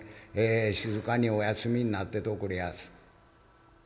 静かにお休みになってておくれやす」。